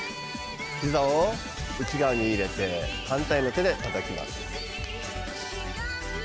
ひざを内側に入れて反対の手でたたきます。